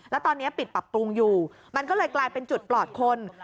แล้วตอนนี้ปิดปรับปรุงอยู่มันก็เลยกลายเป็นจุดปลอดคน